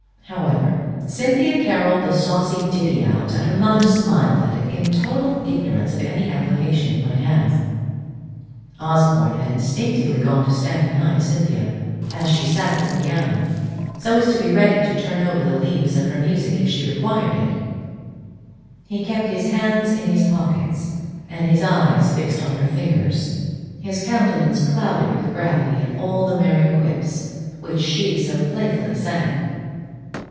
However, Cynthia carolled the saucy ditty out, and her mother smiled at it, in total ignorance of any application it might have. Osborne had instinctively gone to stand behind Cynthia, as she sate at the piano, so as to be ready to turn over the leaves of her music if she required it. He kept his hands in his pockets and his eyes fixed on her fingers; his countenance clouded with gravity at all the merry quips which she so playfully sang.